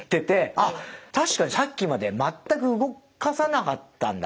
あっ確かにさっきまで全く動かせなかったんだ。